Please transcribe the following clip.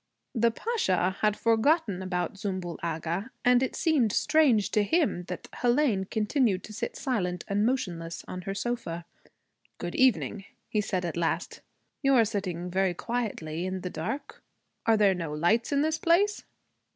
The Pasha had forgotten about Zümbül Agha; and it seemed strange to him that Hélène continued to sit silent and motionless on her sofa. 'Good evening,' he said at last. 'You are sitting very quietly here in the dark. Are there no lights in this place?'